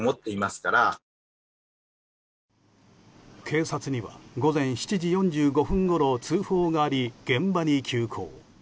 警察には午前７時４５分ごろ通報があり現場に急行。